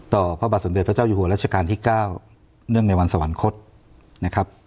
พระบาทสมเด็จพระเจ้าอยู่หัวรัชกาลที่๙เนื่องในวันสวรรคตนะครับ